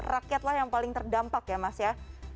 rakyatlah yang paling terdampak ya mas ya